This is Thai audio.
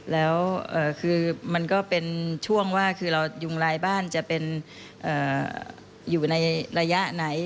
แล้วคือมันก็เป็นช่วงว่าคือเรายุงลายบ้านจะเป็นอยู่ในระยะไหน